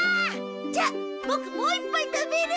じゃあボクもういっぱい食べる！